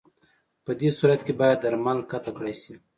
پدې صورت کې باید درمل قطع کړای شي.